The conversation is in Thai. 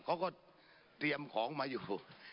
เขาก็เตรียมของมาอยู่